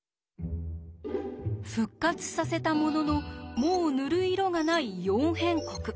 復活させたもののもう塗る色がない「四辺国」。